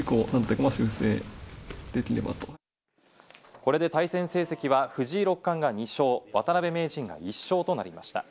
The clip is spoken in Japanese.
これで対戦成績は藤井六冠が２勝、渡辺名人が１勝となりました。